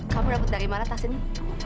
kamu dapat dari mana tas ini